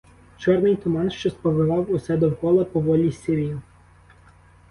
Чорний туман, що сповивав усе довкола, поволі сірів.